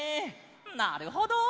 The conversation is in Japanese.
なるほど！